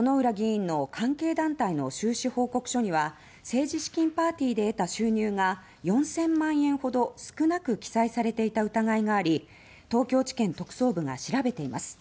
薗浦議員の関係団体の収支報告書には政治資金パーティーで得た収入が４０００万円ほど少なく記載されていた疑いがあり東京地検特捜部が調べています。